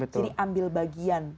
jadi ambil bagian